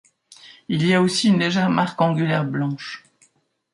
Il y a aussi une légère marque angulaire blanche.